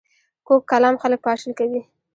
کوږ کلام خلک پاشل کوي